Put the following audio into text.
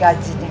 nama si sulam